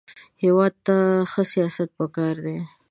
هېواد ته ښه سیاست پکار دی